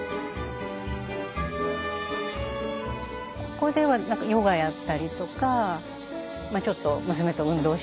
ここではヨガやったりとかちょっと娘と運動したりとか。